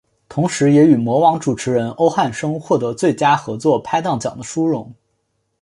同时也与模王主持人欧汉声获得最佳合作拍档奖的殊荣。